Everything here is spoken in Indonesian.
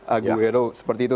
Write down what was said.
aguero seperti itu